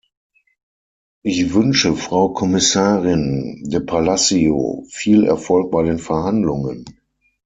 Ich wünsche Frau Kommissarin de Palacio viel Erfolg bei den Verhandlungen.